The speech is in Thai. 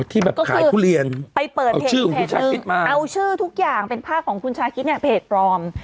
ที่แบบขายทุเรียนเอาชื่อของคุณชาคิดมากเอาชื่อทุกอย่างเป็นภาพของคุณชาคิดเนี่ยเพจปลอม